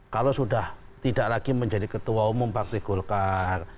kalau sudah tidak lagi menjadi ketua umum partai golkar